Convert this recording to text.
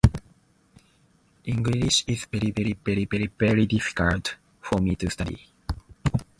"Stan" Temple is an American avian ecologist and wildlife biologist.